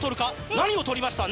何を取りました？